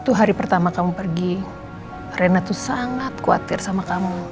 itu hari pertama kamu pergi rena tuh sangat khawatir sama kamu